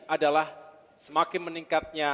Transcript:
adalah semakin meningkatnya